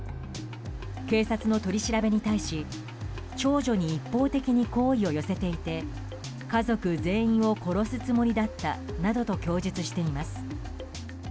警察の取り調べに対し長女に一方的に好意を寄せていて、家族全員を殺すつもりだったなどと供述しています。